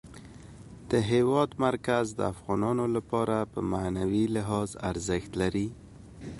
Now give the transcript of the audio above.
د هېواد مرکز د افغانانو لپاره په معنوي لحاظ ارزښت لري.